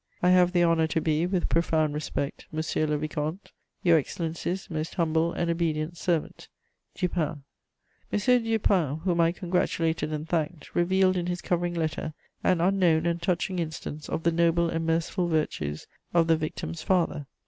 "I have the honour to be, with profound respect, "monsieur le vicomte, "Your Excellency's most humble and obedient servant, "DUPIN." M. Dupin, whom I congratulated and thanked, revealed in his covering letter an unknown and touching instance of the noble and merciful virtues of the victim's father.